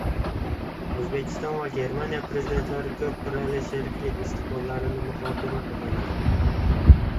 O‘zbekiston va Germaniya Prezidentlari ko‘p qirali sheriklik istiqbollarini muhokama qildilar